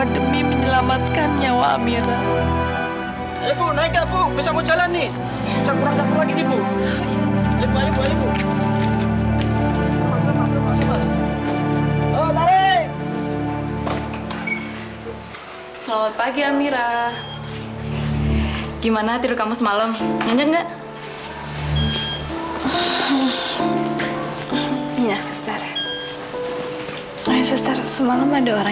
selamat tinggal amira